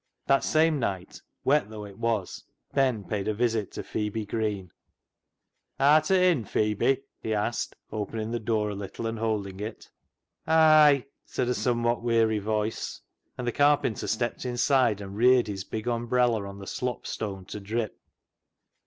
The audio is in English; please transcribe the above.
That same night, wet though it was, Ben paid a visit to Phebe Green. Arta' in, Phebe ?" he asked, opening the door a little, and holding it. " Ay," said a somewhat weary voice, and the carpenter stepped inside, and reared his big umbrella on the slop stone to drip.